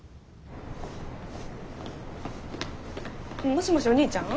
もしもしお兄ちゃん？